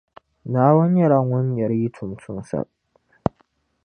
Naawuni nyɛla Ŋun nyari yi tuuntumsa.